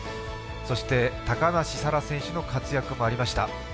そして、高梨沙羅選手の活躍もありました。